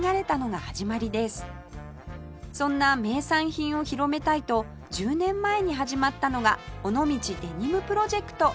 そんな名産品を広めたいと１０年前に始まったのが尾道デニムプロジェクト